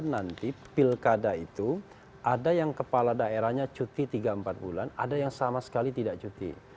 nanti pilkada itu ada yang kepala daerahnya cuti tiga empat bulan ada yang sama sekali tidak cuti